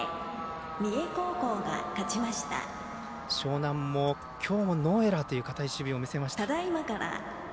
樟南もきょうノーエラーという堅い守備を見せました。